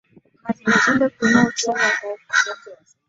na vile vile kuinua uchumi kwa taifa hilo